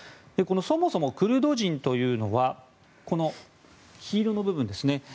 そもそもクルド人というのはこの黄色の部分ですね